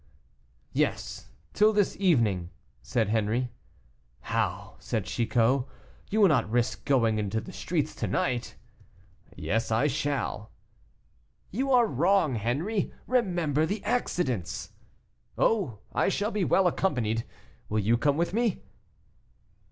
"Yes, till this evening," said Henri. "How!" said Chicot, "you will not risk going into the streets to night?" "Yes, I shall." "You are wrong, Henri; remember the accidents." "Oh! I shall be well accompanied; will you come with me?"